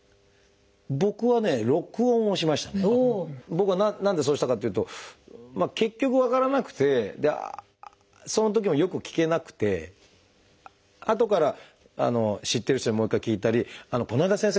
僕は何でそうしたかというと結局分からなくてそのときもよく聞けなくてあとから知ってる人にもう一回聞いたり「この間先生